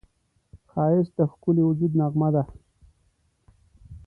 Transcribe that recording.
ښایست د ښکلي وجود نغمه ده